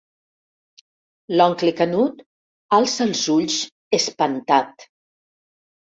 L'oncle Canut alça els ulls, espantat.